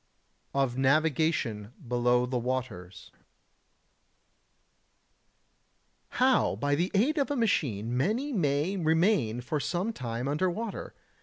[Sidenote: Of Navigation below the Waters] 80. How by the aid of a machine many may remain for some time under water.